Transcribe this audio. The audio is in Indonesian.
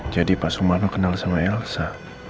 jadi pak sumarno kenal sama elsa